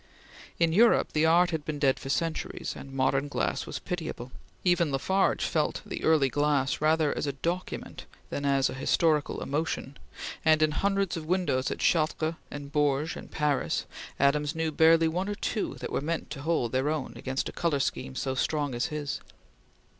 In Europe the art had been dead for centuries, and modern glass was pitiable. Even La Farge felt the early glass rather as a document than as a historical emotion, and in hundreds of windows at Chartres and Bourges and Paris, Adams knew barely one or two that were meant to hold their own against a color scheme so strong as his.